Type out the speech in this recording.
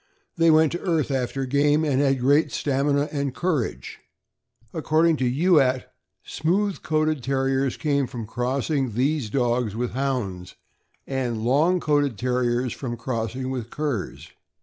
They went to earth after game, and had great stamina and courage. According to Youatt, smooth coated Terriers came from crossing these dogs with Hounds, and long coated Terriers from crossing with curs.